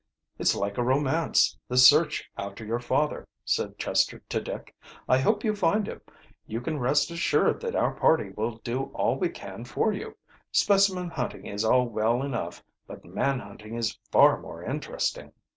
"It's like a romance, this search after your father," said Chester to Dick. "I hope you find him. You can rest assured that our party will do all we can for you. Specimen hunting is all well enough, but man hunting is far more interesting."